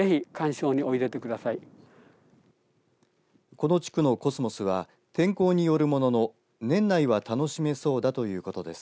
この地区のコスモスは天候によるものの年内は楽しめそうだということです。